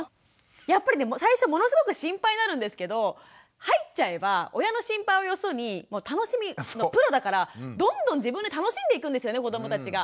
やっぱりね最初ものすごく心配になるんですけど入っちゃえば親の心配をよそに楽しみのプロだからどんどん自分で楽しんでいくんですよね子どもたちが。